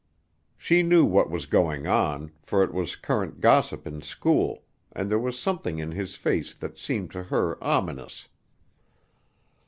She knew what was going on, for it was current gossip in school, and there was something in his face that seemed to her ominous.